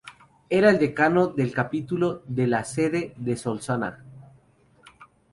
Era el decano del capítulo de la sede de Solsona.